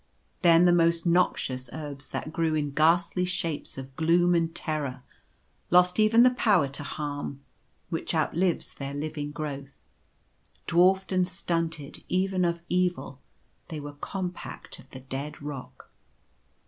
Then the most noxious herbs that grew in ghastly shapes of gloom and terror lost even the power to harm, which outlives their living growth. Dwarfed and stunted even of evil, they were compact of the dead rock.